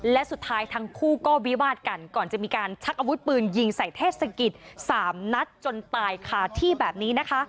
และสุดท้ายทั้งคู่ก็วิวาดกันก่อนจะมีการชักอาวุธปืนยิงใส่เทศกิจ๓นัดจนตายคาที่แบบนี้นะคะ